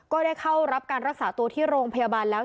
ก็ได้เข้ารับการรักษาตัวที่โรงพยาบาลแล้ว